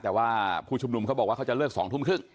แต่ว่าผู้ชุมนุมเขาบอกว่าเขาจะเลิก๒ทุ่มครึ่ง